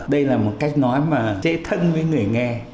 đây là một cách nói mà dễ thân với người nghe